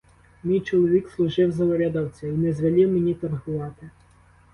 Мій чоловік служив за урядовця й не звелів мені торгувати.